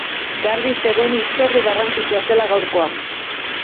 Garbi zegoen hitzordu garrantzitsua zela gaurkoa.